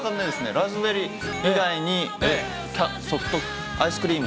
ラズベリー以外に、ソフト、アイスクリーム。